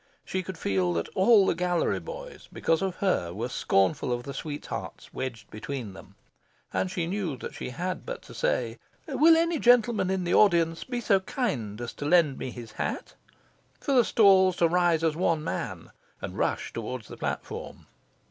She could feel that all the gallery boys, because of her, were scornful of the sweethearts wedged between them, and she knew that she had but to say "Will any gentleman in the audience be so good as to lend me his hat?" for the stalls to rise as one man and rush towards the platform.